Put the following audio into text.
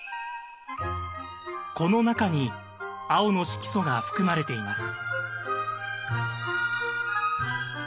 この中に青の色素が含まれています。